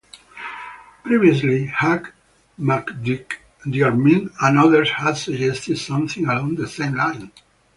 Previously, Hugh MacDiarmid and others had suggested something along the same lines.